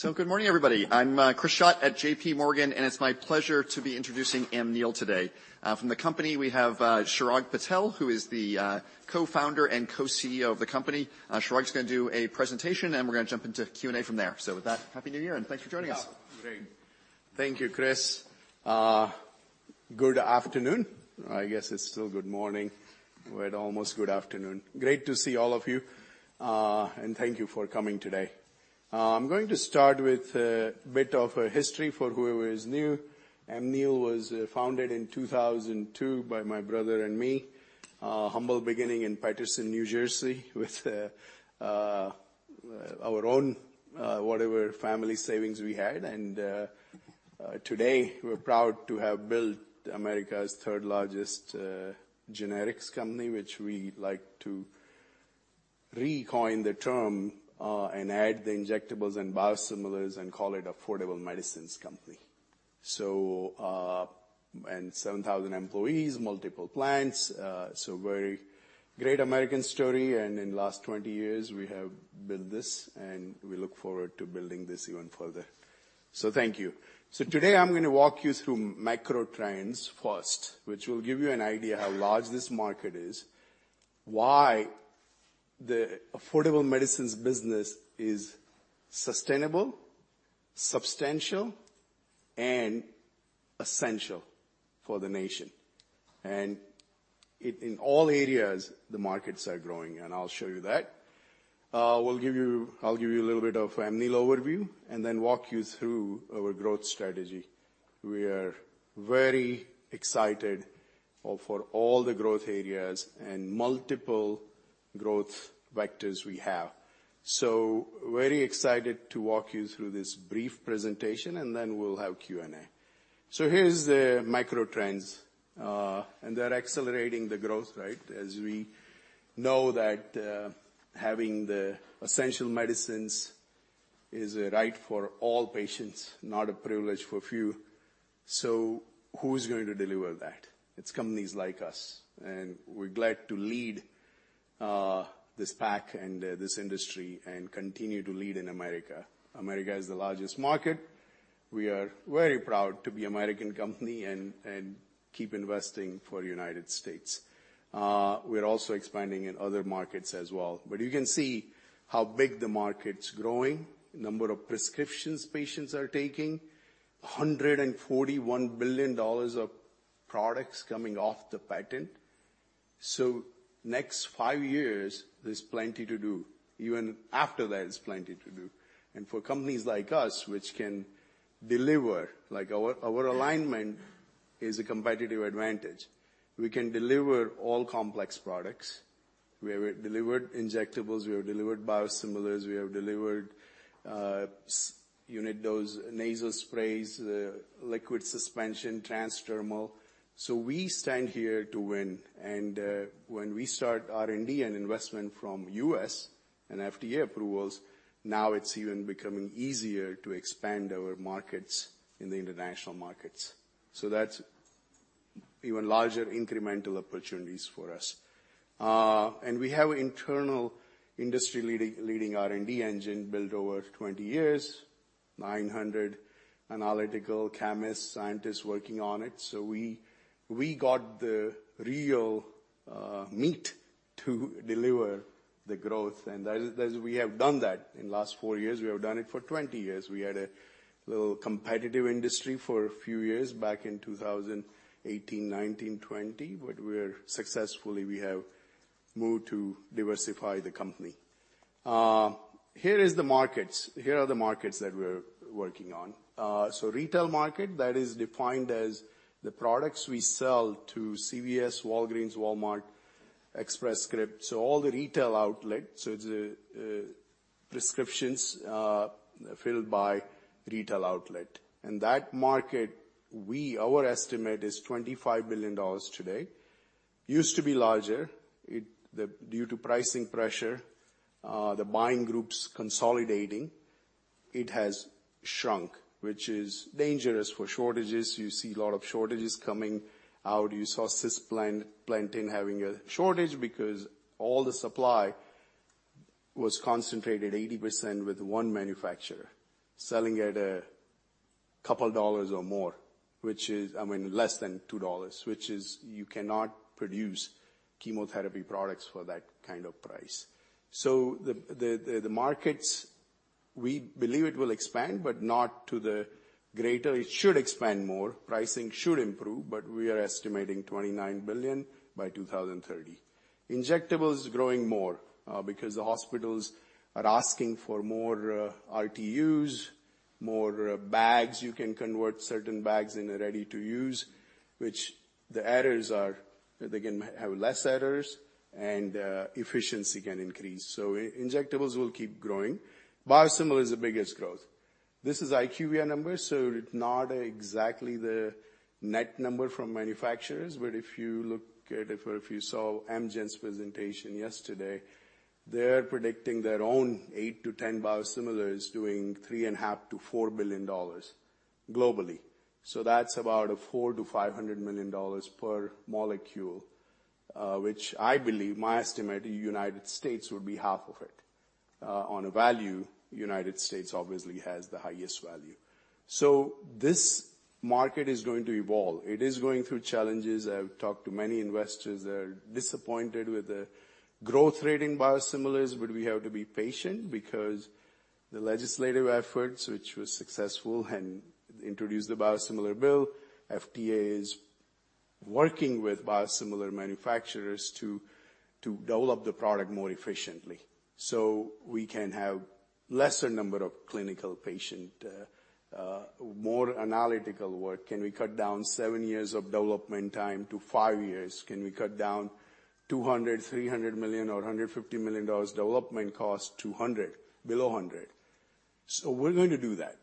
Good morning, everybody. I'm Chris Schott at J.P. Morgan, and it's my pleasure to be introducing Amneal today. From the company, we have Chirag Patel, who is the Co-Founder and Co-CEO of the Company. Chirag's gonna do a presentation, and we're gonna jump into Q&A from there. With that, Happy New Year, and thanks for joining us. Yeah. Great. Thank you, Chris. Good afternoon. I guess it's still good morning. We're at almost good afternoon. Great to see all of you, and thank you for coming today. I'm going to start with a bit of history for whoever is new. Amneal was founded in 2002 by my brother and me. Humble beginning in Paterson, New Jersey, with our own whatever family savings we had. And today, we're proud to have built America's third-largest generics company, which we like to re-coin the term, and add the injectables and biosimilars and call it affordable medicines company. So... And 7,000 employees, multiple plants, so very great American story, and in last 20 years, we have built this, and we look forward to building this even further. So thank you. Today I'm gonna walk you through Macro Trends first, which will give you an idea how large this market is, why the Affordable Medicines Business is sustainable, substantial, and essential for the nation. In all areas, the markets are growing, and I'll show you that. I'll give you a little bit of Amneal overview and then walk you through our growth strategy. We are very excited for all the growth areas and multiple growth vectors we have. Very excited to walk you through this brief presentation, and then we'll have Q&A. Here's the macro trends, and they're accelerating the growth, right? As we know, having the essential medicines is a right for all patients, not a privilege for few. So who's going to deliver that? It's companies like us, and we're glad to lead, this pack and this industry and continue to lead in America. America is the largest market. We are very proud to be American company and, and keep investing for United States. We're also expanding in other markets as well, but you can see how big the market's growing, number of prescriptions patients are taking, $141 billion of products coming off the patent. So next five years, there's plenty to do. Even after that, there's plenty to do. And for companies like us, which can deliver, like our, our alignment is a competitive advantage. We can deliver all complex products. We have delivered injectables, we have delivered biosimilars, we have delivered, unit dose nasal sprays, liquid suspension, and transdermal. So we stand here to win. When we start R&D and investment from US and FDA approvals, now it's even becoming easier to expand our markets in the international markets. So that's even larger incremental opportunities for us. And we have internal industry-leading R&D engine built over 20 years, 900 Analytical Chemists, Scientists working on it. So we got the real meat to deliver the growth, and as we have done that in last four years, we have done it for 20 years. We had a little competitive industry for a few years, back in 2018, 2019, 2020, but we're successfully we have moved to diversify the company. Here is the markets. Here are the markets that we're working on. So retail market, that is defined as the products we sell to CVS, Walgreens, Walmart, Express Scripts, so all the retail outlets. So the prescriptions filled by retail outlet. And that market, our estimate is $25 billion today. Used to be larger. It due to pricing pressure, the buying groups consolidating, it has shrunk, which is dangerous for shortages. You see a lot of shortages coming out. You saw Cisplatin having a shortage because all the supply was concentrated 80% with one manufacturer, selling at a couple dollars or more, which is, I mean, less than $2, which is you cannot produce chemotherapy products for that kind of price. So the markets, we believe it will expand, but not to the greater. It should expand more, pricing should improve, but we are estimating $29 billion by 2030. Injectables growing more, because the hospitals are asking for more RTUs, more bags. You can convert certain bags in a ready-to-use, which the errors are, they can have less errors, and efficiency can increase. So injectables will keep growing. Biosimilar is the biggest growth. This is IQVIA numbers, so not exactly the net number from manufacturers. But if you look at it, or if you saw Amgen's presentation yesterday, they're predicting their own 8-10 biosimilars doing $3.5 billion-$4 billion globally. So that's about $400 million-$500 million per molecule, which I believe, my estimate, the United States would be half of it. On a value, United States obviously has the highest value. So this market is going to evolve. It is going through challenges. I've talked to many investors that are disappointed with the growth rate in biosimilars, but we have to be patient because the legislative efforts, which was successful and introduced the biosimilar bill, FDA is working with biosimilar manufacturers to develop the product more efficiently. So we can have lesser number of clinical patient, more analytical work. Can we cut down seven years of development time to five years? Can we cut down $200-$300 million or $150 million dollars development cost to $100, below $100? So we're going to do that.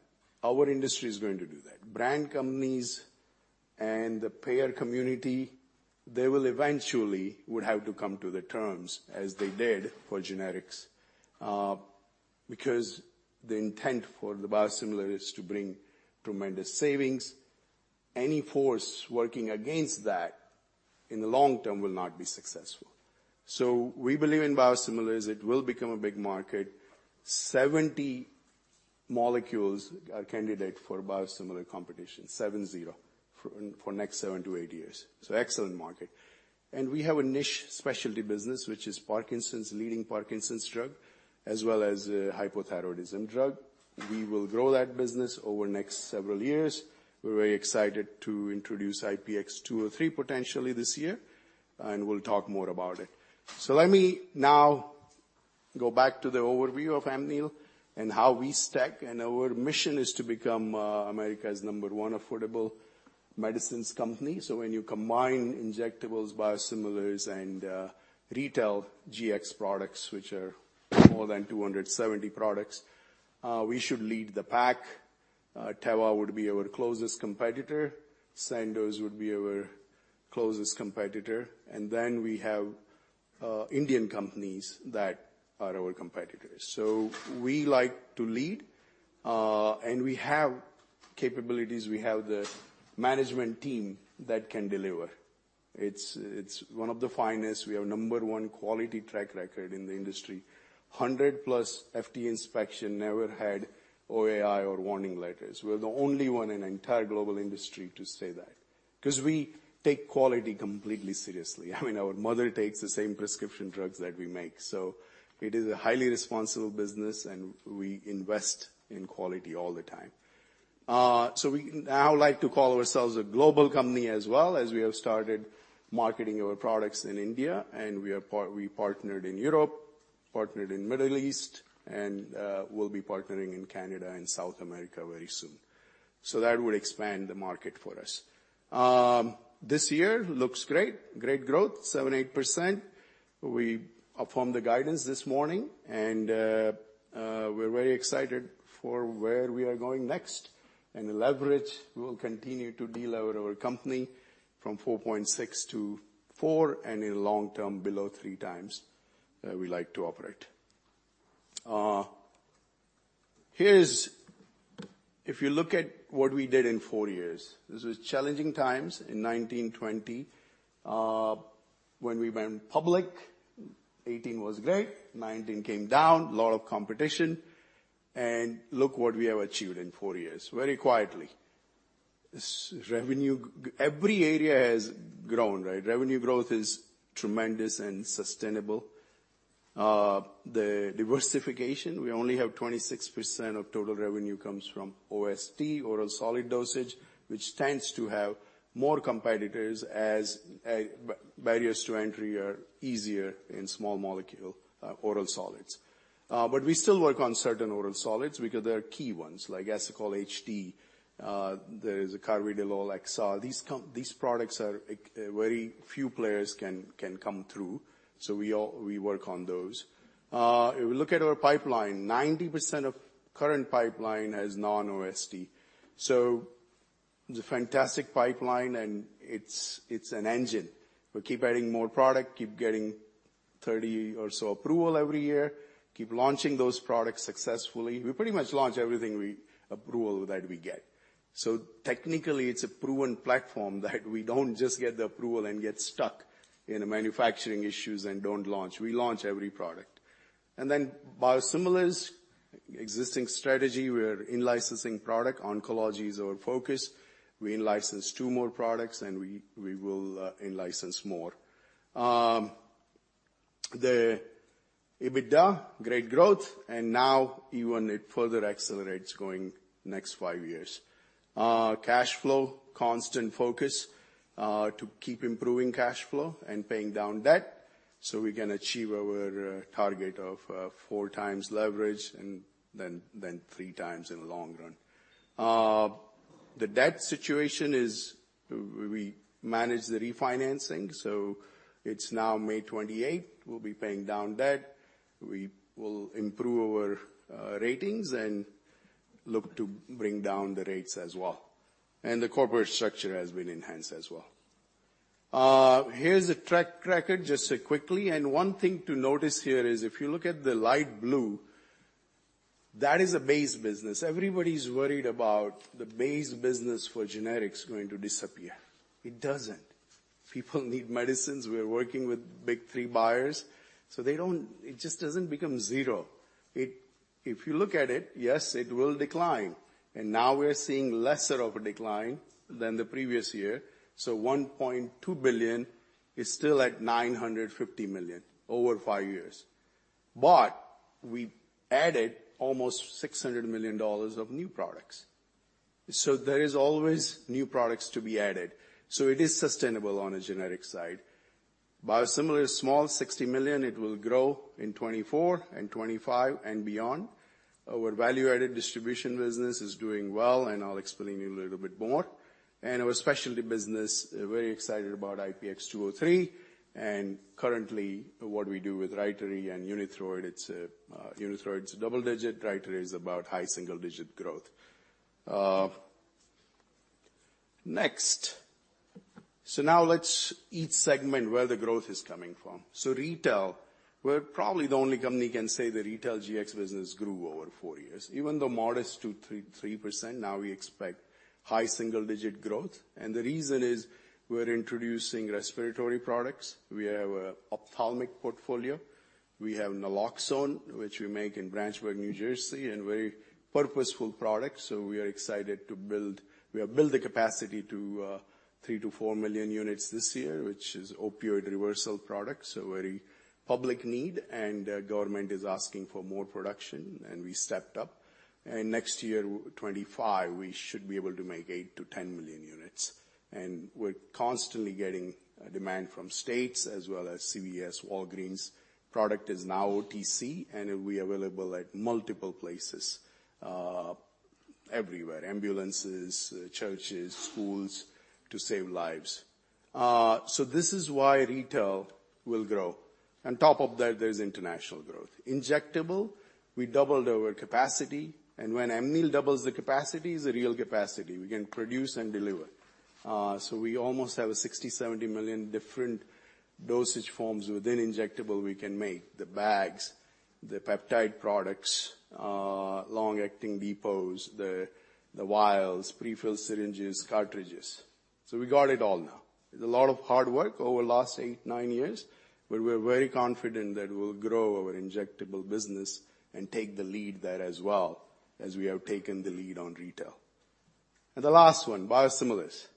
Our industry is going to do that. Brand companies and the payer communitypatients will eventually would have to come to the terms, as they did for generics, because the intent for the biosimilar is to bring tremendous savings. Any force working against that, in the long term, will not be successful. So we believe in biosimilars. It will become a big market. 70 molecules are candidates for Biosimilar Competition, 70 for the next seven to eight years. So excellent market. And we have a niche specialty business, which is Parkinson's, leading Parkinson's drug, as well as a hypothyroidism drug. We will grow that business over the next several years. We're very excited to introduce IPX203, potentially this year, and we'll talk more about it. So let me now go back to the overview of Amneal and how we stack. And our mission is to become America's number one affordable medicines company. So when you combine injectables, biosimilars, and retail GX products, which are more than 270 products, we should lead the pack. Teva would be our closest competitor. Sandoz would be our closest competitor. And then we have Indian companies that are our competitors. So we like to lead, and we have capabilities. We have the management team that can deliver. It's one of the finest. We are number one quality track record in the industry. 100+ FDA inspection, never had OAI or warning letters. We're the only one in the entire global industry to say that, 'cause we take quality completely seriously. I mean, our mother takes the same prescription drugs that we make, so it is a highly responsible business, and we invest in quality all the time. So we now like to call ourselves a global company as well, as we have started marketing our products in India, and we are part- we partnered in Europe, partnered in Middle East, and we'll be partnering in Canada and South America very soon. So that would expand the market for us. This year looks great. Great growth, 7-8%. We affirmed the guidance this morning, and we're very excited for where we are going next. And the leverage, we will continue to delever our company from 4.6-4, and in long term, below 3x, we like to operate. Here's... If you look at what we did in four years, this was challenging times in 2019-2020. When we went public, 18 was great, 19 came down, a lot of competition, and look what we have achieved in four years, very quietly. This revenue, every area has grown, right? Revenue growth is tremendous and sustainable. The diversification, we only have 26% of total revenue comes from OST, oral solid dosage, which tends to have more competitors as barriers to entry are easier in small molecule oral solids. But we still work on certain oral solids because there are key ones, like Asacol HD, there is a carvedilol XR. These products are very few players can come through, so we work on those. If we look at our pipeline, 90% of current pipeline is non-OST. So it's a fantastic pipeline, and it's an engine. We keep adding more products, keep getting 30 or so approvals every year, keep launching those products successfully. We pretty much launch everything we approve that we get. So technically, it's a proven platform that we don't just get the approval and get stuck in the manufacturing issues,a and don't launch. We launch every product. And then biosimilars, existing strategy, we're in-licensing product. Oncology is our focus. We in-license 2 more products, and we will in-license more. The EBITDA, great growth, and now even it further accelerates going next five years. Cash flow, constant focus, to keep improving cash flow and paying down debt, so we can achieve our target of four times leverage and then three times in the long run. The debt situation is, we manage the refinancing, so it's now May 28. We'll be paying down debt. We will improve our ratings and look to bring down the rates as well. The corporate structure has been enhanced as well. Here's a track record, just quickly. One thing to notice here is, if you look at the light blue. That is a base business. Everybody's worried about the base business for generics going to disappear. It doesn't. People need medicines. We are working with big three buyers, so they don't-- it just doesn't become zero. It. If you look at it, yes, it will decline, and now we are seeing lesser of a decline than the previous year. So $1.2 billion is still at $950 million over five years. But we added almost $600 million of new products. So there is always new products to be added, so it is sustainable on a generic side. Biosimilar is small, $60 million. It will grow in 2024 and 2025 and beyond. Our value-added distribution business is doing well, and I'll explain it a little bit more. Our specialty business, very excited about IPX203, and currently, what we do with RYTARY and Unithroid. It's a, Unithroid, it's a double digit. RYTARY is about high single-digit growth. Next. So now let's each segment where the growth is coming from. So retail, we're probably the only company can say the retail GX business grew over four years, even though modest to 3.3%. Now we expect high single-digit growth, and the reason is we're introducing respiratory products. We have a Ophthalmic ortfolio. We have naloxone, which we make in Branchburg, New Jersey, and very purposeful product, so we are excited to build. We have built the capacity to 3-4 million units this year, which is opioid reversal products, so very public need, and the government is asking for more production, and we stepped up. Next year, 2025, we should be able to make 8-10 million units, and we're constantly getting demand from states as well as CVS, Walgreens. Product is now OTC, and it will be available at multiple places, everywhere, ambulances, churches, schools, to save lives. So this is why retail will grow. On top of that, there's international growth. Injectable, we doubled our capacity, and when Amneal doubles the capacity, is a real capacity, we can produce and deliver. So we almost have and60-70 million different dosage forms within injectable we can make. The bags, the peptide products, long-acting depots, the vials, prefilled syringes, cartridges. So we got it all now. It's a lot of hard work over last eight, nine years, but we're very confident that we'll grow our injectable business and take the lead there as well, as we have taken the lead on retail. And the last one, biosimilars.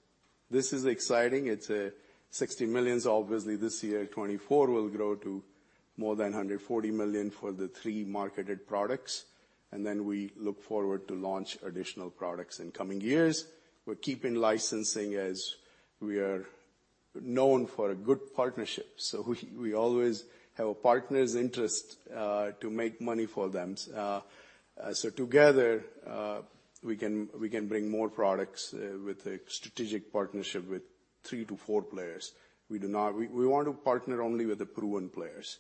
This is exciting. It's $60 million. Obviously, this year, 2024, will grow to more than $140 million for the 3 marketed products, and then we look forward to launch additional products in coming years. We're keeping licensing as we are known for good partnerships, so we always have a partner's interest to make money for them. So together, we can bring more products with a strategic partnership with three to four players. We want to partner only with the proven players.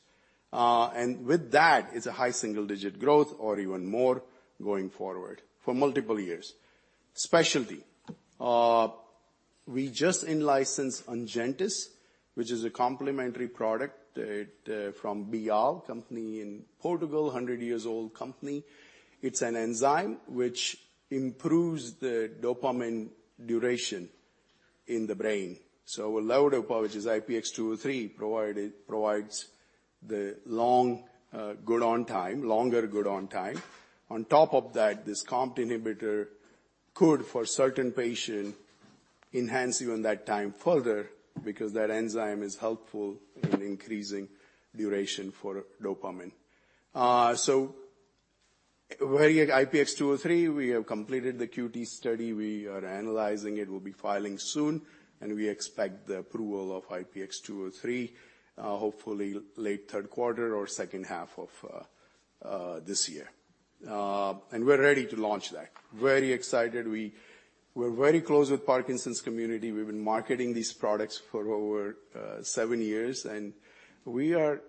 And with that, it's a high single-digit growth or even more going forward for multiple years. Specialty. We just in-licensed ONGENTYS, which is a complementary product, from BI, company in Portugal, 100 years old Company. It's an enzyme which improves the dopamine duration in the brain. So a L-Dopa, which is IPX203, provides the long, good-on time, longer good-on time. On top of that, this COMT Inhibitor could, for certain patients, enhance even that time further because that enzyme is helpful in increasing duration for dopamine. So very IPX203, we have completed the QT study. We are analyzing it. We'll be filing soon, and we expect the approval of IPX203, hopefully late third quarter or second half of this year. And we're ready to launch that. Very excited. We're very close with the Parkinson's community. We've been marketing these products for over seven years, and we're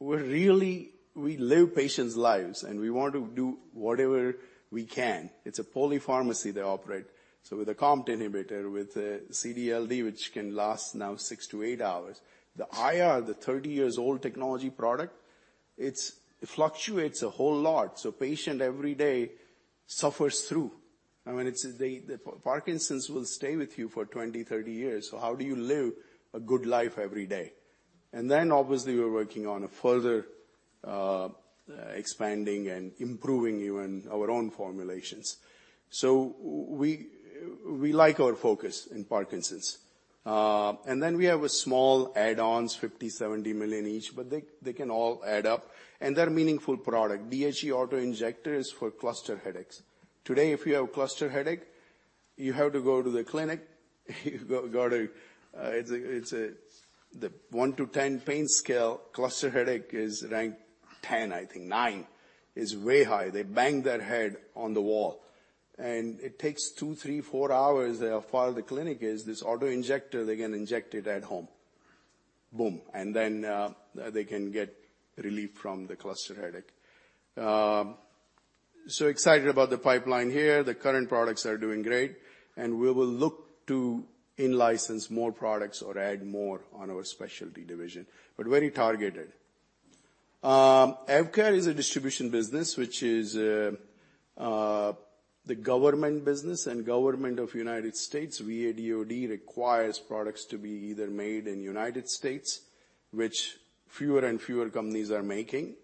really. We live patients' lives, and we want to do whatever we can. It's a polypharmacy they operate, so with a COMT inhibitor, with a CD/LD, which can last now six to eight hours. The IR, the 30-year-old technology product, it fluctuates a whole lot, so patient every day. I mean, it's the Parkinson's will stay with you for 20-30 years, so how do you live a good life every day? And then, obviously, we're working on a further expanding and improving even our own formulations. So we like our focus in Parkinson's. And then we have small add-ons, $50 million-$70 million each, but they can all add up, and they're meaningful products. DHE auto-injector is for cluster headaches. Today, if you have cluster headache, you go to the clinic. It's the 1-10 pain scale, cluster headache is ranked 10, I think nine. It's way high. They bang their head on the wall, and it takes two, three, four hours how far the clinic is. This auto injector, they can inject it at home. Boom! And then, they can get relief from the cluster headache. So excited about the pipeline here. The current products are doing great, and we will look to in-license more products or add more on our specialty division, but very targeted. AvKARE is a distribution business which is the government business. Government of United States, VA/DoD, requires products to be either made in United States, which fewer and fewer companies are making,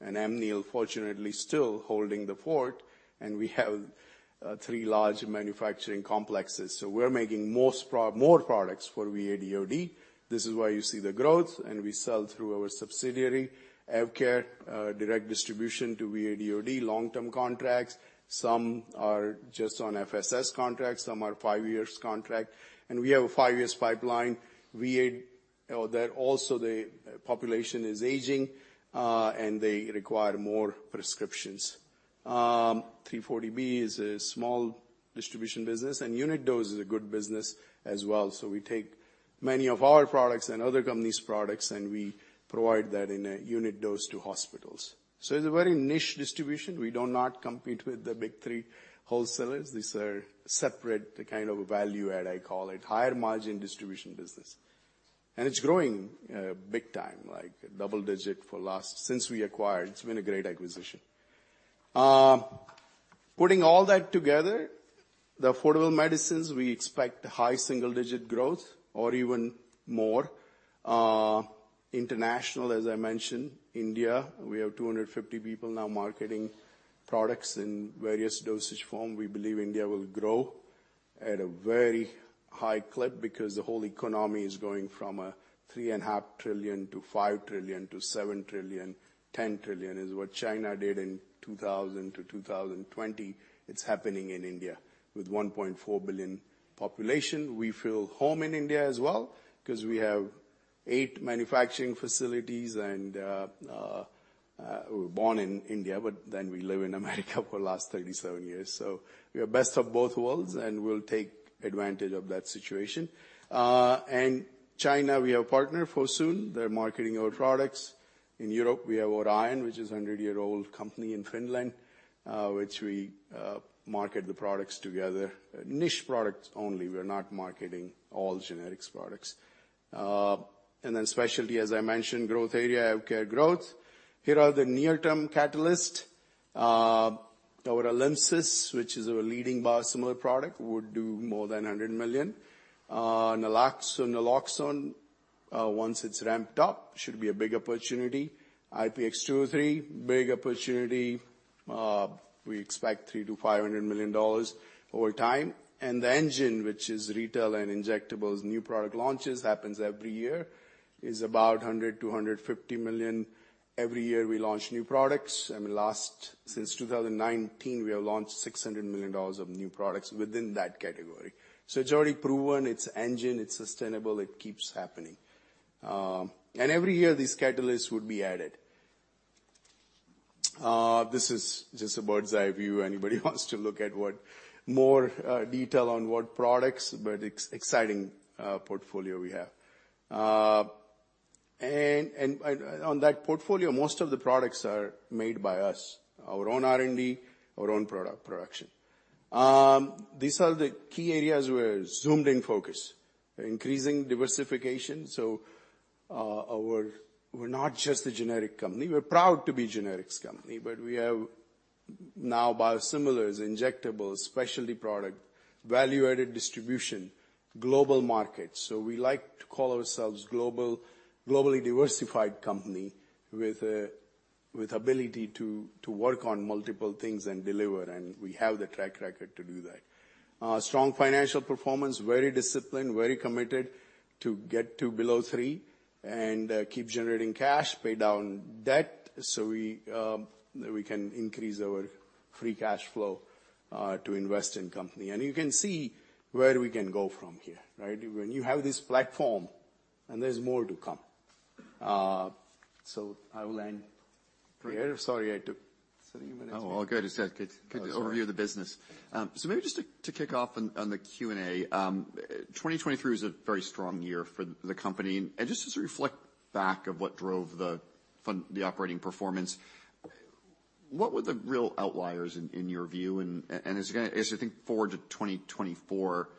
and Amneal fortunately still holding the fort, and we have three large manufacturing complexes. So we're making more products for VA/DoD. This is why you see the growth, and we sell through our subsidiary, AvKARE, direct distribution to VA/DoD, long-term contracts. Some are just on FSS contracts, some are five years contract, and we have a five years pipeline. VA, that also the population is aging, and they require more prescriptions. 340B is a small distribution business, and unit dose is a good business as well. So we take many of our products and other companies' products, and we provide that in a unit dose to hospitals. So it's a very niche distribution. We do not compete with the big three wholesalers. These are separate, the kind of value add, I call it, higher margin distribution business. And it's growing big time, like double-digit for last. Since we acquired, it's been a great acquisition. Putting all that together, the affordable medicines, we expect high single-digit growth or even more. International, as I mentioned, India, we have 250 people now marketing products in various dosage form. We believe India will grow at a very high clip because the whole economy is going from a $3.5 trillion to $5 trillion, to $7 trillion. $10 trillion is what China did in 2000 to 2020. It's happening in India with 1.4 billion population. We feel home in India as well, 'cause we have eight manufacturing facilities and we were born in India, but then we live in America for the last 37 years. So we are best of both worlds, and we'll take advantage of that situation. And China, we have partnered for soon. They're marketing our products. In Europe, we have Orion, which is a 100-year-old Company in Finland, which we market the products together. Niche products only. We are not marketing all generics products. And then specialty, as I mentioned, growth area, EvKARE Care Growth. Here are the near-term catalyst. Our Alymsys, which is our leading biosimilar product, would do more than $100 million. Naloxone, once it's ramped up, should be a big opportunity. IPX203, big opportunity. We expect $300 million-$500 million over time. The engine, which is retail and injectables, new product launches, happens every year, is about $100-$150 million. Every year, we launch new products, and since 2019, we have launched $600 million of new products within that category. So it's already proven, it's engine, it's sustainable, it keeps happening. And every year, these catalysts would be added. This is just a bird's-eye view. Anybody wants to look at what more detail on what products, but it's exciting portfolio we have. And on that portfolio, most of the products are made by us, our own R&D, our own product production. These are the key areas we're zoomed in focus, increasing diversification. So our- we're not just a generic company. We're proud to be generics company, but we have now biosimilars, injectables, specialty product, value-added distribution, global market. So we like to call ourselves globally diversified company with ability to work on multiple things and deliver, and we have the track record to do that. Strong financial performance, very disciplined, very committed to get to below three and keep generating cash, pay down debt, so we can increase our free cash flow to invest in company. And you can see where we can go from here, right? When you have this platform and there's more to come. So I will end here. Sorry, I took three minutes. No, all good, you said. Good. Oh, sorry. Overview of the business. So maybe just to kick off on the Q&A. 2023 was a very strong year for the company, and just as you reflect back of what drove the fun- the operating performance, what were the real outliers in your view? And as you think forward to 2024,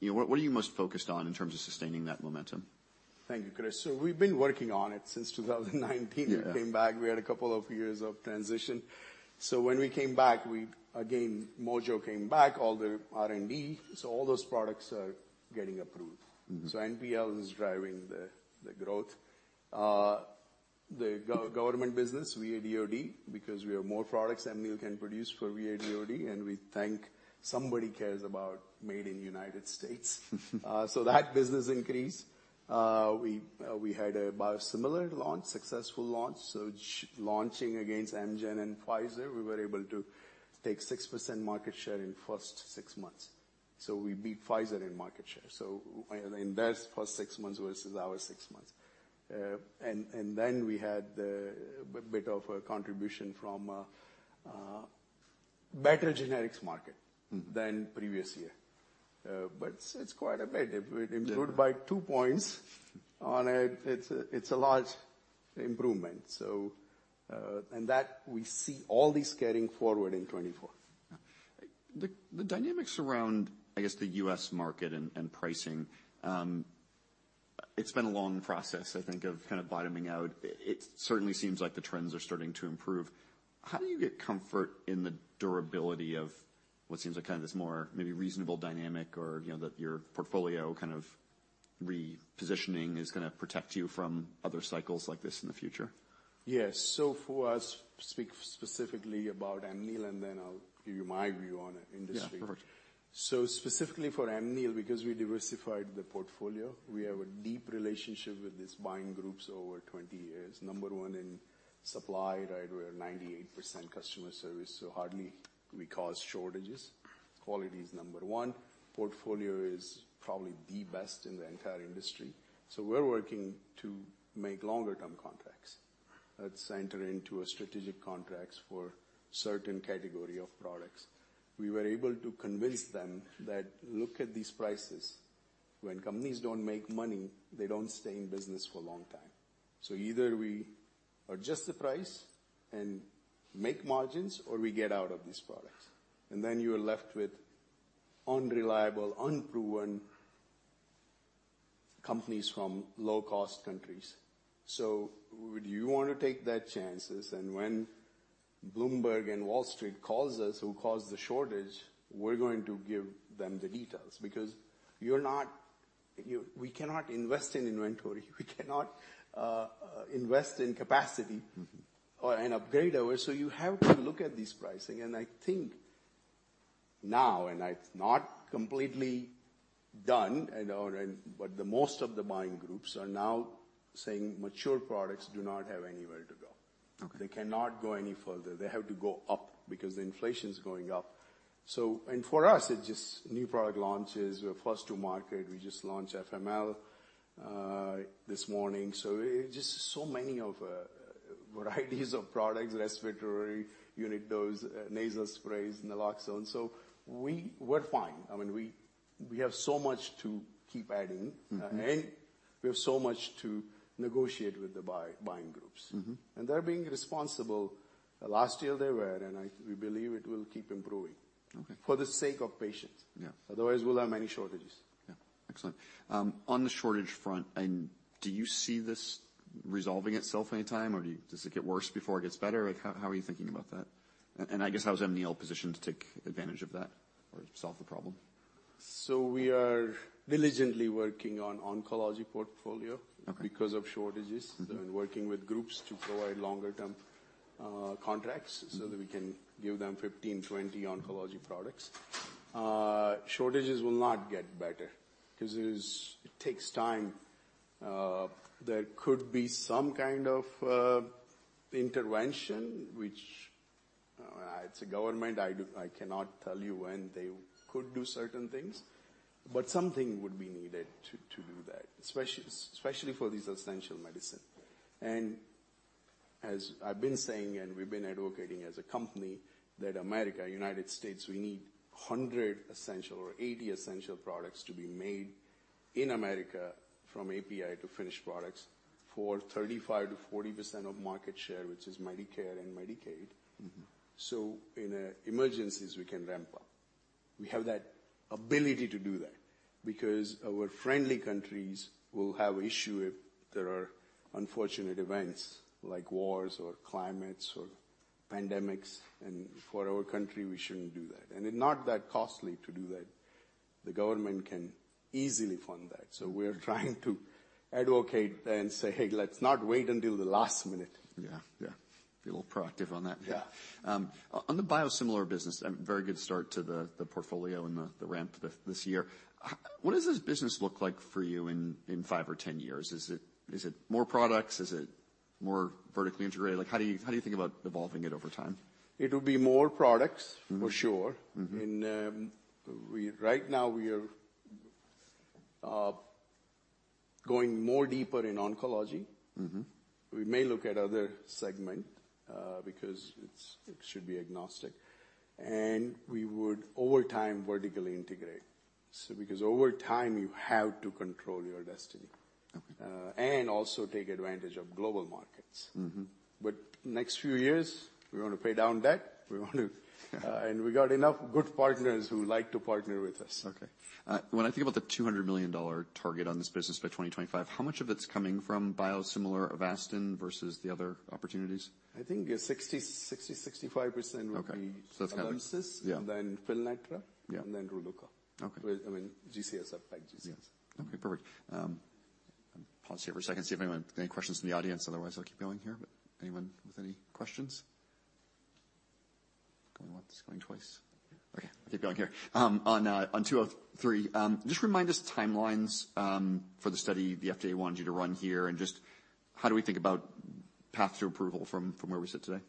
you know, what are you most focused on in terms of sustaining that momentum? Thank you, Chris. So we've been working on it since 2019. Yeah. We came back, we had a couple of years of transition. So when we came back, we again, mojo came back, all the R&D, so all those products are getting approved. Mm-hmm. So NPL is driving the growth. The government business, VA/DoD, because we have more products than you can produce for VA/DoD, and we thank somebody cares about made in United States. So that business increased. We had a biosimilar launch, successful launch. So launching against Amgen and Pfizer, we were able to take 6% market share in first six months. So we beat Pfizer in market share. So in their first six months versus our six months. And then we had a bit of a contribution from better generics market. Mm Than previous year. But it's quite a bit. Yeah. It improved by two points on a... It's a, it's a large improvement. So, and that we see all these carrying forward in 2024. The dynamics around, I guess, the U.S. market and pricing, it's been a long process, I think, of kind of bottoming out. It certainly seems like the trends are starting to improve. How do you get comfort in the durability of what seems like kind of this more maybe reasonable dynamic or, you know, that your portfolio kind of repositioning is gonna protect you from other cycles like this in the future? Yes. For us, speak specifically about Amneal, and then I'll give you my view on the industry. Yeah, perfect. So specifically for Amneal, because we diversified the portfolio, we have a deep relationship with these buying groups over 20 years. Number one in supply, right? We're 98% customer service, so hardly we cause shortages. Quality is number one. Portfolio is probably the best in the entire industry. So we're working to make longer-term contracts. Let's enter into a strategic contracts for certain category of products. We were able to convince them that: Look at these prices. When companies don't make money, they don't stay in business for a long time. So either we adjust the price and make margins, or we get out of these products, and then you are left with unreliable, unproven companies from low-cost countries. So would you want to take that chances? When Bloomberg and Wall Street calls us, "Who caused the shortage?" We're going to give them the details, because you're not, we cannot invest in inventory. We cannot invest in capacity. Mm-hmm. So you have to look at this pricing, and I think now, and it's not completely done and on, and but the most of the buying groups are now saying mature products do not have anywhere to go. Okay. They cannot go any further. They have to go up because the inflation is going up. So and for us, it's just new product launches. We're first to market. We just launched FML this morning, so it just so many of varieties of products, respiratory, unit dose, nasal sprays, naloxone. So we're fine. I mean, we have so much to keep adding. Mm-hmm. We have so much to negotiate with the buying groups. Mm-hmm. And they're being responsible. Last year, they were, and we believe it will keep improving- Okay. for the sake of patients. Yeah. Otherwise, we'll have many shortages. Yeah. Excellent. On the shortage front, do you see this resolving itself anytime, or does it get worse before it gets better? Like, how are you thinking about that? And I guess, how is Amneal positioned to take advantage of that or solve the problem? We are diligently working on oncology portfolio. Okay. because of shortages. Mm-hmm. Working with groups to provide longer-term contracts- Mm-hmm. So that we can give them 15-20 oncology products. Shortages will not get better because it takes time. There could be some kind of intervention, which it's a government. I cannot tell you when they could do certain things, but something would be needed to do that, especially for this essential medicine. And as I've been saying, and we've been advocating as a company, that America, United States, we need 100 essential or 80 essential products to be made in America, from API to finished products, for 35%-40% of market share, which is Medicare and Medicaid. Mm-hmm. So in emergencies, we can ramp up. We have that ability to do that because our friendly countries will have issue if there are unfortunate events like wars or climates or pandemics. And for our country, we shouldn't do that. And it's not that costly to do that. The government can easily fund that. So we're trying to advocate and say, "Hey, let's not wait until the last minute. Yeah. Yeah. Be a little proactive on that. Yeah. On the biosimilar business, a very good start to the portfolio and the ramp this year. What does this business look like for you in five or 10 years? Is it more products? Is it more vertically integrated? Like, how do you think about evolving it over time? It will be more products- Mm-hmm. -for sure. Mm-hmm. Right now, we are going more deeper in oncology. Mm-hmm. We may look at other segment, because it should be agnostic, and we would, over time, vertically integrate. So because over time, you have to control your destiny. Okay. Also take advantage of global markets. Mm-hmm. But next few years, we want to pay down debt. We want to... Yeah. We got enough good partners who like to partner with us. Okay. When I think about the $200 million target on this business by 2025, how much of it's coming from biosimilar Avastin versus the other opportunities? I think 60, 60, 65% would be- Okay. -Alymsys Yeah. And then Filgra- Yeah. and then Rubraca. Okay. Well, I mean, G-CSFs are five G-CSFs. Yeah. Okay, perfect. I'll pause here for a second, see if anyone, any questions from the audience. Otherwise, I'll keep going here, but anyone with any questions? Going once, going twice. Okay, I'll keep going here. On 203, just remind us timelines, for the study the FDA wanted you to run here, and just how do we think about path to approval from where we sit today?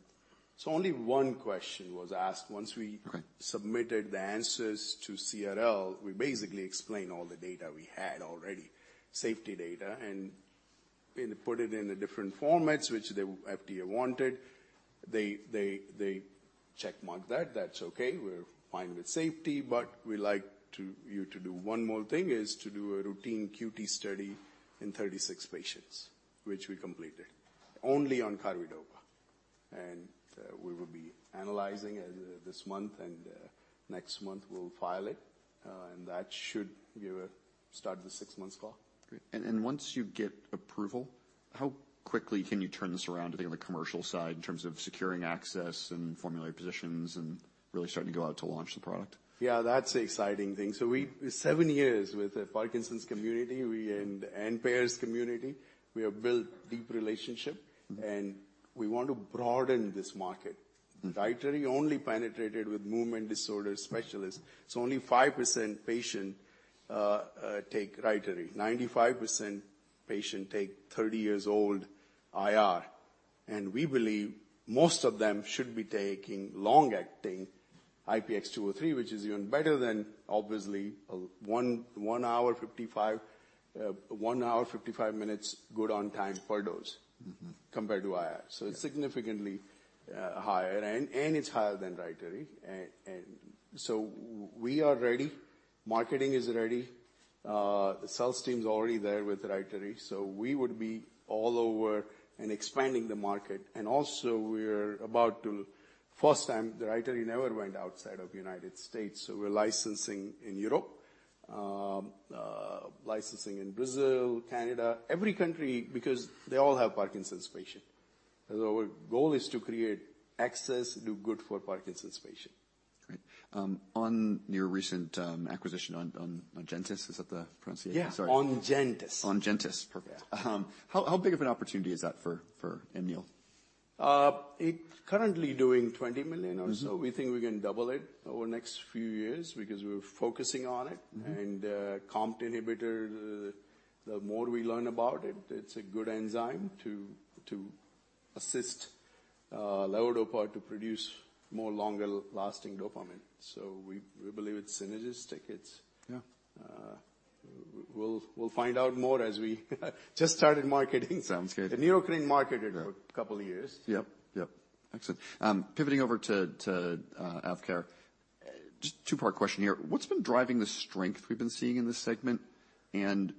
Only one question was asked. Once we- Okay... submitted the answers to CRL, we basically explained all the data we had already, safety data, and put it in different formats, which the FDA wanted. They checkmarked that. "That's okay. We're fine with safety, but we'd like you to do one more thing, is to do a routine QT study in 36 patients," which we completed only on carbidopa. And we will be analyzing as of this month, and next month we'll file it. And that should give a start of the six months call. Great. And once you get approval, how quickly can you turn this around to the other commercial side, in terms of securing access and formulary positions and really starting to go out to launch the product? Yeah, that's the exciting thing. So seven years with the Parkinson's community and payers community, we have built deep relationship. Mm-hmm. And we want to broaden this market. Mm. RYTARY only penetrated with movement disorder specialists, so only 5% patient take RYTARY. 95% patient take 30-year-old IR, and we believe most of them should be taking long-acting IPX203, which is even better than obviously, a one, one hour 55 one hour 55 minutes good on time per dose- Mm-hmm. -compared to IR. So it's significantly higher, and it's higher than RYTARY. And so we are ready. Marketing is ready. The sales team's already there with RYTARY, so we would be all over and expanding the market. And also, we're about to—first time, the RYTARY never went outside of the United States, so we're licensing in Europe, licensing in Brazil, Canada, every country, because they all have Parkinson's patient. So our goal is to create access, do good for Parkinson's patient. Great. On your recent acquisition, Ongentys, is that the pronunciation? Yeah. Sorry. Ongentys. Ongentys, perfect. Yeah. How big of an opportunity is that for Amneal? It currently doing $20 million or so. Mm-hmm. We think we can double it over the next few years because we're focusing on it. Mm-hmm. COMT inhibitor, the more we learn about it, it's a good enzyme to assist levodopa to produce more longer-lasting dopamine. So we believe it's synergistic. It's- Yeah. We'll find out more as we just started marketing. Sounds good. The Neurocrine marketed- Yeah for a couple of years. Yep. Excellent. Pivoting over to AvKARE. Just two-part question here: What's been driving the strength we've been seeing in this segment? And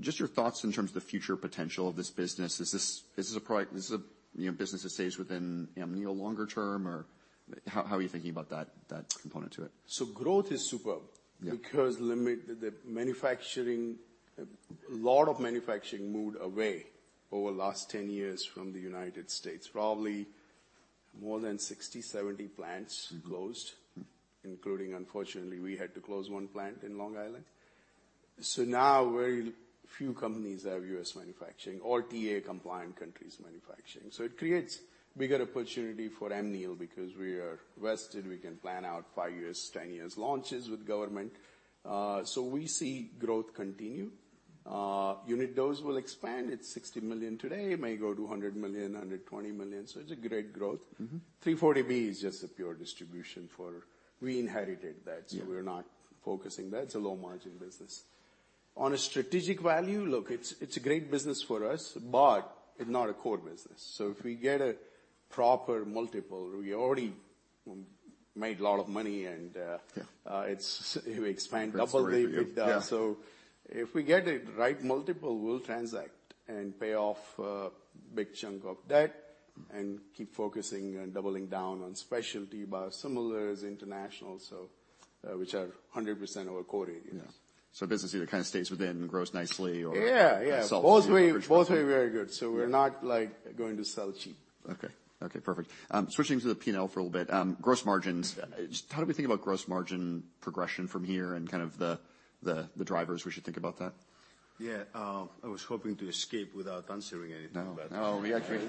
just your thoughts in terms of the future potential of this business. Is this, is this a product- is this a, you know, business that stays within Amneal longer term, or how are you thinking about that component to it? Growth is superb- Yeah Because limit, the manufacturing, a lot of manufacturing moved away over the last 10 years from the United States. Probably more than 60-70 plants. Mm-hmm -closed, including, unfortunately, we had to close one plant in Long Island. So now very few companies have U.S. manufacturing or TA-compliant countries manufacturing. So it creates bigger opportunity for Amneal because we are vested, we can plan out 5 years, 10 years launches with government. So we see growth continue. Unit dose will expand. It's $60 million today, may go to $100 million, $120 million, so it's a great growth. Mm-hmm. 340B is just a pure distribution, for we inherited that- Yeah So we're not focusing. That's a low-margin business. On a strategic value, look, it's a great business for us, but it's not a core business. So if we get a proper multiple, we already made a lot of money and Yeah... it's, we expand double the- Yeah. So if we get the right multiple, we'll transact and pay off a big chunk of debt- Mm-hmm And keep focusing on doubling down on specialty, biosimilars, international, so, which are 100% our core areas. Yeah. So business either kind of stays within and grows nicely or- Yeah, yeah. Or sells. Both ways very good. Yeah. We're not, like, going to sell cheap. Okay. Okay, perfect. Switching to the P&L for a little bit, gross margins. Just how do we think about gross margin progression from here and kind of the drivers we should think about that? Yeah. I was hoping to escape without answering anything. No, no, we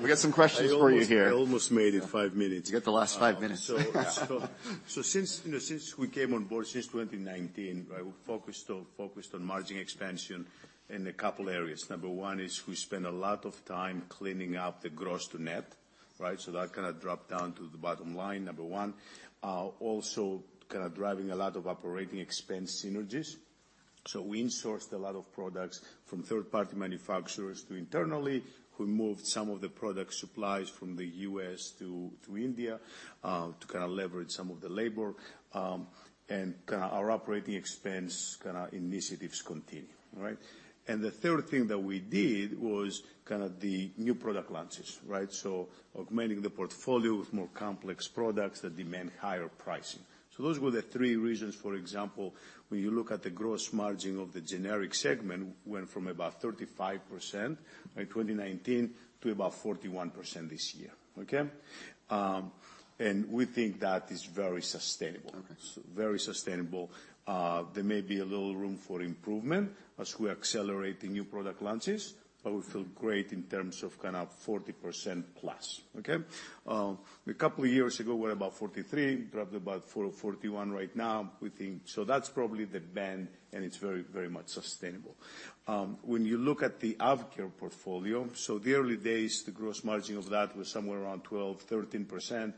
got some questions for you here. I almost made it five minutes. You got the last five minutes. So since, you know, since we came on board, since 2019, right, we focused on margin expansion in a couple areas. Number one is we spent a lot of time cleaning up the gross to net, right? So that kind of dropped down to the bottom line, number one. Also kind of driving a lot of operating expense synergies. So we insourced a lot of products from third-party manufacturers to internally. We moved some of the product supplies from the U.S. to India, to kind of leverage some of the labor. And kind of our operating expense kind of initiatives continue, right? And the third thing that we did was kind of the new product launches, right? So augmenting the portfolio with more complex products that demand higher pricing. So those were the three reasons. For example, when you look at the gross margin of the generic segment, went from about 35% in 2019 to about 41% this year, okay? And we think that is very sustainable. Okay. Very sustainable. There may be a little room for improvement as we're accelerating new product launches, but we feel great in terms of kind of 40%+, okay? A couple of years ago, we were about 43, probably about 44.1 right now, we think. So that's probably the band, and it's very, very much sustainable. When you look at the AvKARE portfolio, so the early days, the gross margin of that was somewhere around 12%-13%.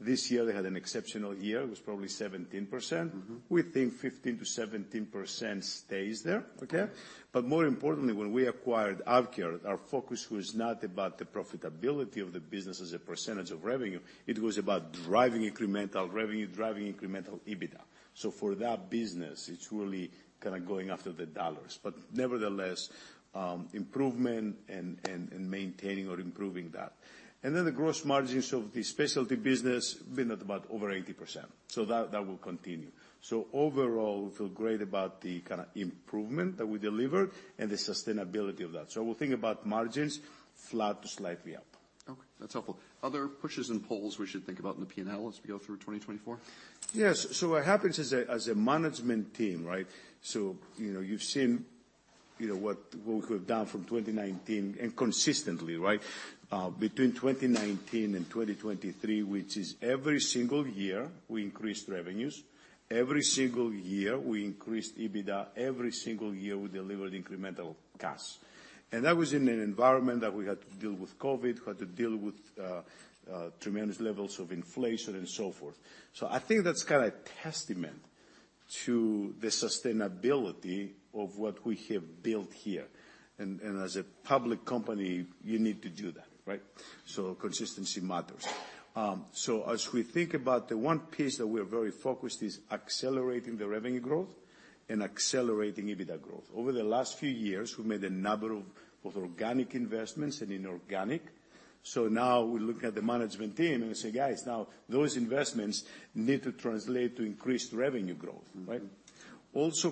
This year, they had an exceptional year. It was probably 17%. Mm-hmm. We think 15%-17% stays there. Okay. But more importantly, when we acquired AvKARE, our focus was not about the profitability of the business as a percentage of revenue, it was about driving incremental revenue, driving incremental EBITDA. So for that business, it's really kind of going after the dollars, but nevertheless, improvement and maintaining or improving that. And then the gross margins of the specialty business been at about over 80%, so that will continue. So overall, we feel great about the kind of improvement that we delivered and the sustainability of that. So we'll think about margins flat to slightly up. Okay, that's helpful. Other pushes and pulls we should think about in the P&L as we go through 2024? Yes. So what happens as a management team, right? So, you know, you've seen, you know, what we have done from 2019 and consistently, right? Between 2019 and 2023, which is every single year, we increased revenues. Every single year, we increased EBITDA. Every single year, we delivered incremental cash. And that was in an environment that we had to deal with COVID, we had to deal with tremendous levels of inflation and so forth. So I think that's kind of testament to the sustainability of what we have built here. And as a public company, you need to do that, right? So consistency matters. So as we think about the one piece that we are very focused is accelerating the revenue growth and accelerating EBITDA growth. Over the last few years, we've made a number of organic investments and inorganic. So now we look at the management team and we say, "Guys, now those investments need to translate to increased revenue growth," right? Mm-hmm. Also,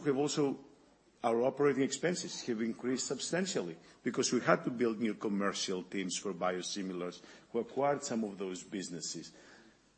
our operating expenses have increased substantially because we had to build new commercial teams for biosimilars, who acquired some of those businesses.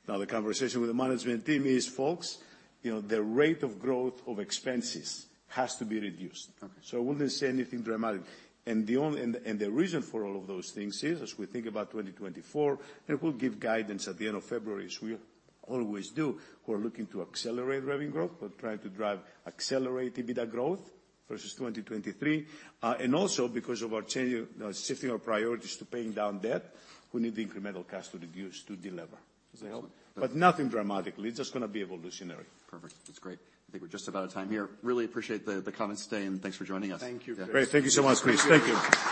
Now, the conversation with the management team is: Folks, you know, the rate of growth of expenses has to be reduced. Okay. So I wouldn't say anything dramatic. And the only reason for all of those things is, as we think about 2024, and we'll give guidance at the end of February, as we always do, we're looking to accelerate revenue growth. We're trying to drive accelerate EBITDA growth versus 2023. And also because of our changing, shifting our priorities to paying down debt, we need the incremental cash to reduce, to deliver. Does that help? But nothing dramatically. It's just gonna be evolutionary. Perfect. That's great. I think we're just about out of time here. Really appreciate the comments today, and thanks for joining us. Thank you. Great. Thank you so much, Chris. Thank you.